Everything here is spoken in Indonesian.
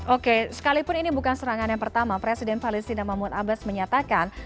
oke sekalipun ini bukan serangan yang pertama presiden palestina mahmud abbas menyatakan